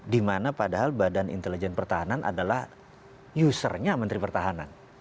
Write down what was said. dimana padahal badan intelijen pertahanan adalah usernya menteri pertahanan